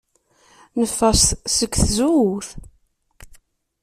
Neffeɣ seg tzewwut.